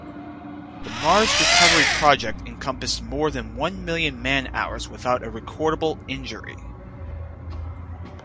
The Mars recovery project encompassed more than one million man-hours without a recordable injury.